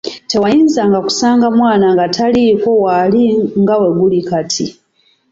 Tewayinzanga kusanga mwana nga taliiko w'ali nga bwe guli kati.